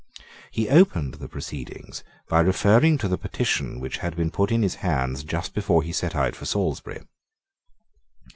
He opened the proceedings by referring to the petition which had been put into his hands just before he set out for Salisbury.